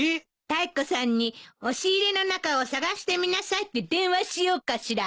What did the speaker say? タイコさんに押し入れの中を探してみなさいって電話しようかしら。